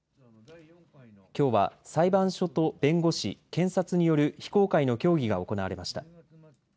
きょうは裁判所と弁護士、検察による非公開の協議が行われました。